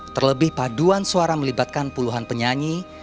terlebih paduan suara melibatkan puluhan penyanyi